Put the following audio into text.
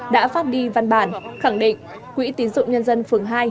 đã phát đi văn bản khẳng định quỹ tín dụng nhân dân phường hai